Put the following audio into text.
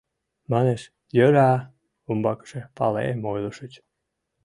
Манеш— Йӧра, умбакыже палем, ойлышыч.